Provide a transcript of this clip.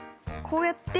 こうやって。